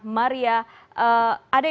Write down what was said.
maria ada indonesia